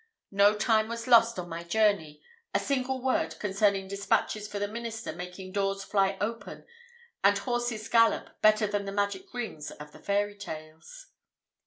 No time was lost on my journey; a single word concerning despatches for the minister making doors fly open and horses gallop better than the magic rings of the Fairy Tales.